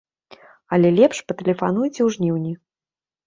Але лепш патэлефануйце ў жніўні.